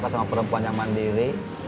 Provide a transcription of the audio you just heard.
saya suka sama perempuan yang mandiri